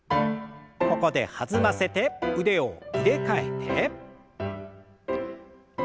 ここで弾ませて腕を入れ替えて。